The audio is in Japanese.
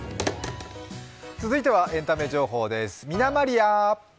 続いてはエンタメ情報です。